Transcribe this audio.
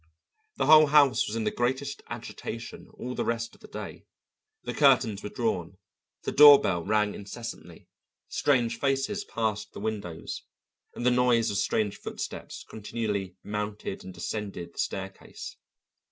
The whole house was in the greatest agitation all the rest of the day. The curtains were drawn, the door bell rang incessantly, strange faces passed the windows, and the noise of strange footsteps continually mounted and descended the staircase.